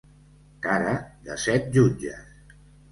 Cara de set jutges.